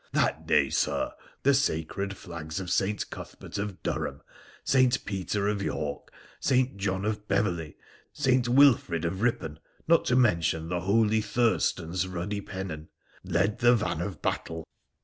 That day, Sir, the sacred flags of St. Cuthbert of Durham, St. Peter of York, St. John of Beverley, St. Wilfred of Bipon, not to mention the holy Thurstan's ruddy pennon, led the van of battle.